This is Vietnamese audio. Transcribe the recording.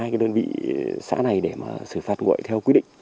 hai cái đơn vị xã này để mà xử phạt nguội theo quy định